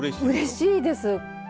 うれしいです。